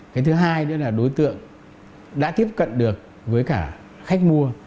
cái thứ hai nữa là đối tượng đã tiếp cận được với cả khách mua